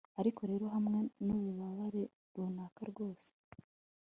Ariko rero hamwe nububabare runaka rwose